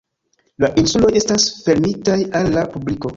La insuloj estas fermitaj al la publiko.